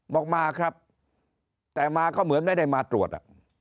บอกมาครับแต่มาก็เหมือนไม่ได้มาตรวจ